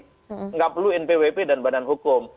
tidak perlu npwp dan badan hukum